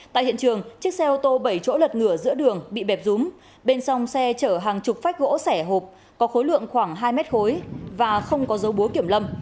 tại hiện trường chiếc xe ô tô bảy chỗ lật ngửa giữa đường bị bẹp rúm bên trong xe chở hàng chục phách gỗ sẻ hộp có khối lượng khoảng hai mét khối và không có dấu búa kiểm lâm